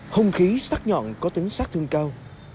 hung khí sắc nhọn có tính sắc thương cao